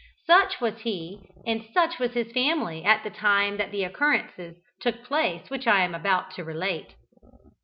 Such was he and such was his family at the time that the occurrences took place which I am about to relate.